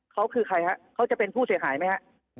เขาคือใครฮะเขาจะเป็นผู้เสียหายไหมฮะ